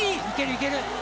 いける、いける。